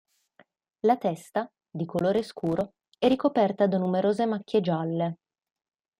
La testa, di colore scuro, è ricoperta da numerose macchie gialle.